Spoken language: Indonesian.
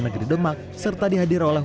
negeri demak serta dihadir oleh